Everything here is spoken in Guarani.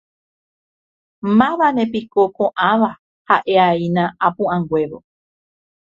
Mávanepiko ko'ãva ha'e'aína apu'ãnguévo.